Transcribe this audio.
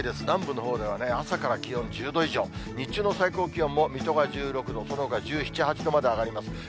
南部のほうでは、朝から気温１０度以上、日中の最高気温も水戸が１６度、そのほか１７、８度まで上がります。